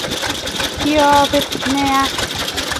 Kiabeet naet.